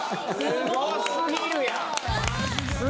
すごすぎるやん！